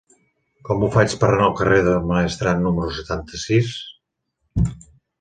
Com ho faig per anar al carrer del Maestrat número setanta-sis?